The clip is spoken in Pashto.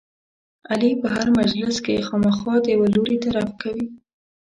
علي په هره مجلس کې خامخا د یوه لوري طرف کوي.